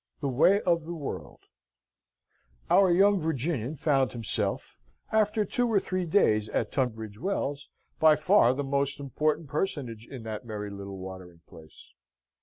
The Way of the World Our young Virginian found himself, after two or three days at Tunbridge Wells, by far the most important personage in that merry little watering place.